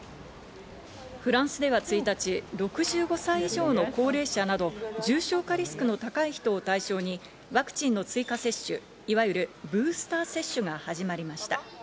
フランスでは１日、６５歳以上の高齢者など重症化リスクの高い人を対象にワクチンの追加接種、いわゆるブースター接種が始まりました。